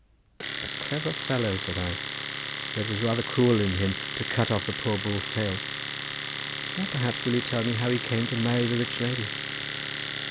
"A clever fellow," said I; "though it was rather cruel in him to cut off the poor bull's tail. Now, perhaps, you will tell me how he came to marry the rich lady?"